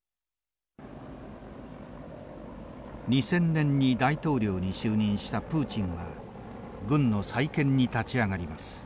２０００年に大統領に就任したプーチンは軍の再建に立ち上がります。